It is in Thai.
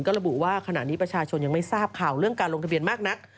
ระบุว่าขณะนี้ประชาชนยังไม่ทราบข่าวเรื่องการลงทะเบียนมากนัก